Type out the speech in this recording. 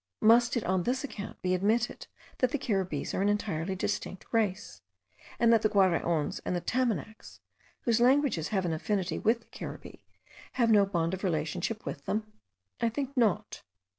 Must it on this account be admitted, that the Caribbees are an entirely distinct race? and that the Guaraons and the Tamanacs, whose languages have an affinity with the Caribbee, have no bond of relationship with them? I think not.